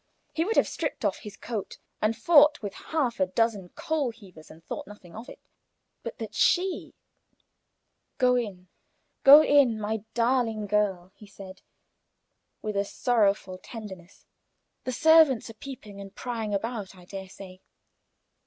He would have stripped off his coat and fought with half a dozen coal heavers, and thought nothing of it; but that she "Go in, go in, my darling girl," he said, with sorrowful tenderness; "the servants are peeping and prying about, I dare say.